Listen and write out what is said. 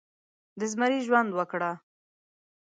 د زمري ژوند وکړه